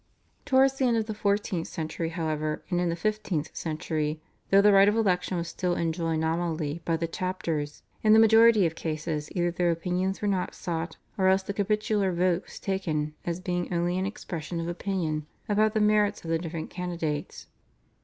Towards the end of the fourteenth century, however, and in the fifteenth century, though the right of election was still enjoyed nominally by the chapters, in the majority of cases either their opinions were not sought, or else the capitular vote was taken as being only an expression of opinion about the merits of the different candidates.